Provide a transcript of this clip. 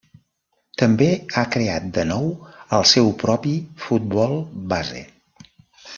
També ha creat de nou el seu propi Futbol Base.